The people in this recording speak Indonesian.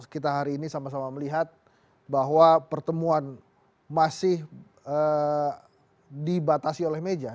kita hari ini sama sama melihat bahwa pertemuan masih dibatasi oleh meja